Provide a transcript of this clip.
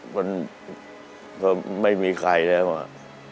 ก็ไม่มีใครแล้วา